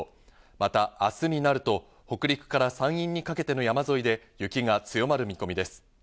また明日になると北陸から山陰にかけての山沿いで雪が強まる見込みです。